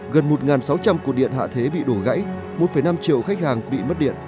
gần một sáu trăm linh cột điện hạ thế bị đổ gãy một năm triệu khách hàng bị mất điện